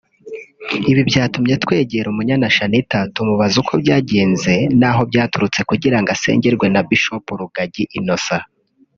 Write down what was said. Ibi byatumye twegera Umunyana Shanitah tumubaza uko byagenze n’aho byaturutse kugira ngo asengerwe na Bishop Rugagi Innocent